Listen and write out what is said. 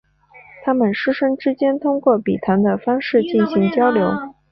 他们师生之间通过笔谈的方式进行交流。